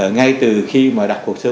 ngay từ khi đặt cuộc sơ